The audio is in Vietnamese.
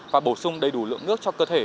và bổ sung đầy đủ lượng nước cho cơ thể